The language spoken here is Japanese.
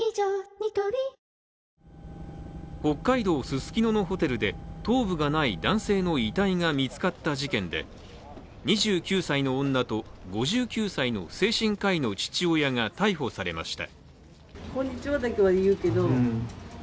ニトリ北海道ススキノのホテルで頭部がない男性の遺体が見つかった事件で２９歳の女と５９歳の精神科医の父親が逮捕されました。